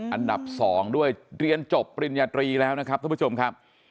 อันดับ๒ด้วยเรียนจบปริญญาตรีแล้วนะครับท่านผู้ชมครับ